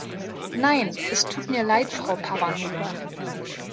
Nein, es tut mir Leid, Frau Parvanova.